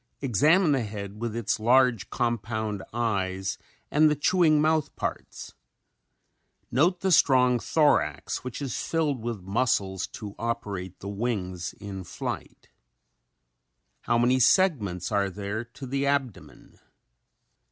Examine the head with its large compound eyes and the chewing mouth parts. Note the strong thorax which is filled with muscles to operate the wings in flight. How many segments are there to the abdomen?